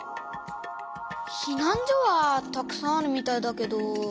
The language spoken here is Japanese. ひなん所はたくさんあるみたいだけど。